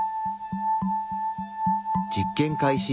実験開始。